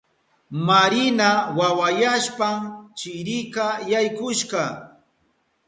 Marina wawayashpan chirika yaykushka.